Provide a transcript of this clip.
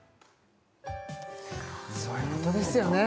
そういうことですよね